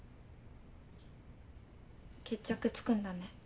決着つくんだね。